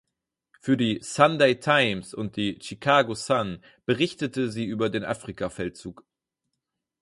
Für die "Sunday Times" und die "Chicago Sun" berichtete sie über den Afrikafeldzug.